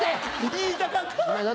言いたかった！